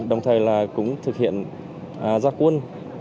đồng thời cũng thực hiện gia quân